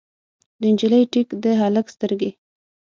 د نجلۍ ټیک، د هلک سترګې